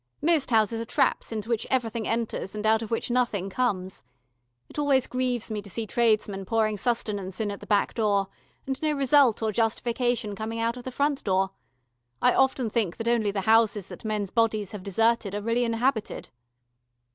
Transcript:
Most houses are traps into which everything enters, and out of which nothing comes. It always grieves me to see tradesmen pouring sustenance in at the back door, and no result or justification coming out of the front door. I often think that only the houses that men's bodies have deserted are really inhabited."